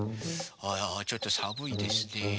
あちょっとさむいですね。